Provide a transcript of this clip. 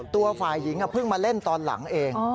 ตัวฝ่ายหญิงเพิ่งมาเล่นตอนหลังเอง